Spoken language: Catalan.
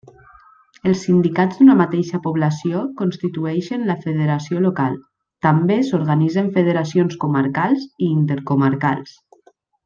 Els sindicats d'una mateixa població constitueixen la federació local; també s'organitzen federacions comarcals i intercomarcals.